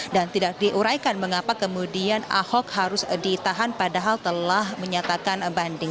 dan tidak diuraikan mengapa kemudian ahok harus ditahan padahal telah menyatakan banding